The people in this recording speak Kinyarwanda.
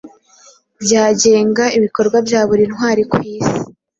Byagenga ibikorwa bya buri ntwari kwisi